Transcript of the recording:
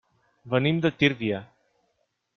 Venim de Tírvia.